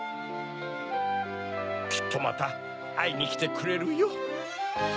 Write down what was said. きっとまたあいにきてくれるよ。